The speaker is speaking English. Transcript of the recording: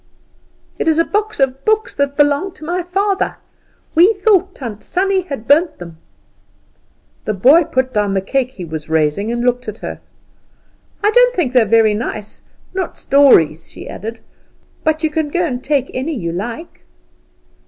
"It is a box of books that belonged to my father. We thought Tant Sannie had burnt them." The boy put down the cake he was raising and looked at her. "I don't think they are very nice, not stories," she added, "but you can go and take any you like."